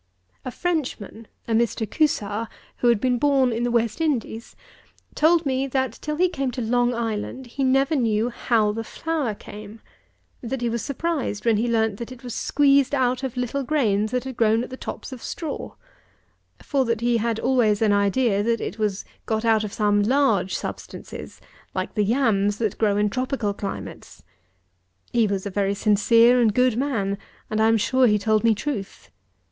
A Frenchman, a Mr. CUSAR, who had been born in the West Indies, told me, that till he came to Long Island, he never knew how the flour came: that he was surprised when he learnt that it was squeezed out of little grains that grew at the tops of straw; for that he had always had an idea that it was got out of some large substances, like the yams that grow in tropical climates. He was a very sincere and good man, and I am sure he told me truth.